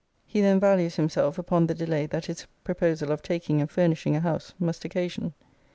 [He then values himself upon the delay that his proposal of taking and furnishing a house must occasion.